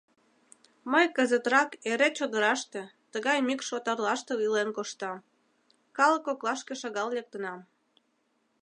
Мый кызытрак эре чодыраште, тыгай мӱкш отарлаште илен коштам, калык коклашке шагал лектынам.